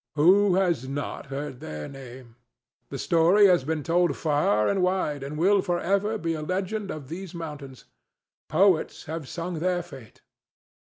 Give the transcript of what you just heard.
Who has not heard their name? The story has been told far and wide, and will for ever be a legend of these mountains. Poets have sung their fate.